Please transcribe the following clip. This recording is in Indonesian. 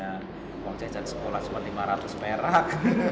orang cecah di sekolah cuma rp lima ratus merah